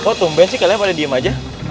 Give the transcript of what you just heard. kok tumben sih kalian pada diem aja